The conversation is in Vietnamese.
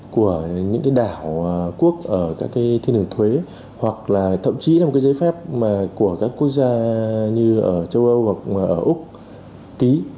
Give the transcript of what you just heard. của những cái đảo quốc ở các cái thiên đường thuế hoặc là thậm chí là một cái giấy phép mà của các quốc gia như ở châu âu hoặc ở úc ký